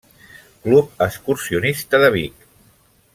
Club excursionista de Vic.